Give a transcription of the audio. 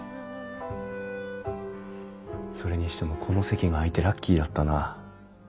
それにしてもこの席が空いてラッキーだったな。